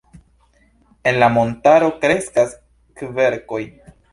En la montaro kreskas kverkoj.